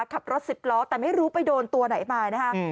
ขับรถ๑๐ล้อแต่ไม่รู้ไปโดนตัวไหนมานะคะ